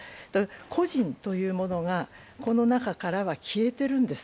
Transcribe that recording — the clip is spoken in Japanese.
個人というものがこの中からは消えてるんです。